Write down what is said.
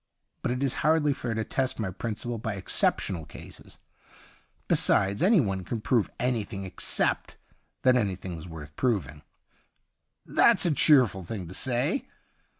But it is hardly fair to test my principle by exceptional cases. Besides, any one can prove anything except that anything' s worth proving.' ' That's a cheerful thing to say.